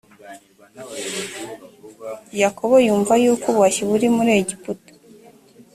yakobo yumva yuko ubuhashyi buri muri egiputa